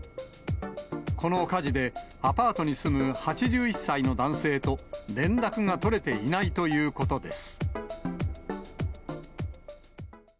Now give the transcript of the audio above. この火事で、アパートに住む８１歳の男性と連絡が取れていないということです。